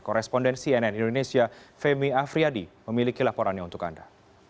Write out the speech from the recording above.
korespondensi nn indonesia femi afriyadi memiliki laporannya untuk anda